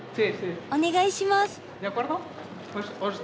お願いします。